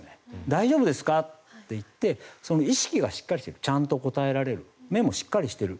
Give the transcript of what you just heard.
大丈夫ですか？と言って意識がしっかりしているちゃんと答えられる目もしっかりしている